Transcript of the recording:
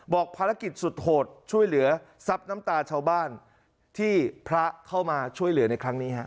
ภารกิจสุดโหดช่วยเหลือซับน้ำตาชาวบ้านที่พระเข้ามาช่วยเหลือในครั้งนี้ฮะ